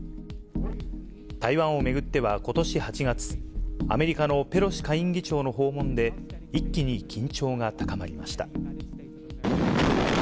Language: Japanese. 台湾を巡っては、ことし８月、アメリカのペロシ下院議長の訪問で、一気に緊張が高まりました。